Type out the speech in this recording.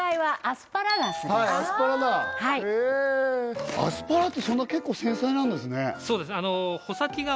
アスパラだへえっアスパラってそんな結構繊細なんですね